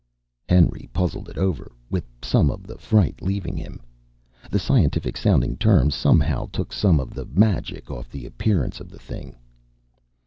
Henry puzzled it over, with some of the fright leaving him. The scientific sounding terms somehow took some of the magic off the appearance of the thing.